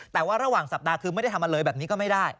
แต่ว่าระหว่างสัปดาห์คือไม่ได้ทำอะไรเลยแบบนี้ก็ไม่ได้